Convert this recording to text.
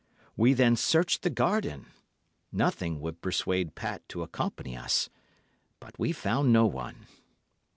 We then searched the garden (nothing would persuade Pat to accompany us), but we found no one.